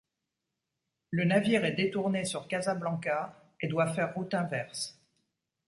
Le navire est détourné sur Casablanca et doit faire route inverse.